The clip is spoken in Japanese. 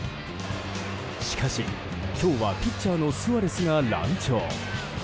しかし今日はピッチャーのスアレスが乱調。